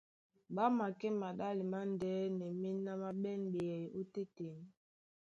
Ɓá makɛ́ maɗále mándɛ́nɛ, méná má ɓɛ́n ɓeyɛy ótétěn.